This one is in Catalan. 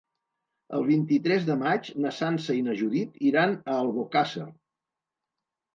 El vint-i-tres de maig na Sança i na Judit iran a Albocàsser.